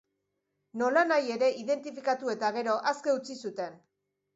Nolanahi ere, identifikatu eta gero aske utzi zuten.